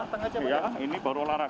tapi dipanggil sama repak itu pak